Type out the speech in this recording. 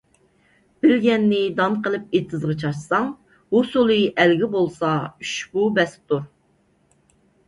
بىلگەننى دان قىلىپ ئېتىزغا چاچساڭ، ھوسۇلى ئەلگە بولسا، ئۇشبۇ بەستۇر.